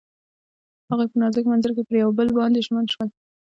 هغوی په نازک منظر کې پر بل باندې ژمن شول.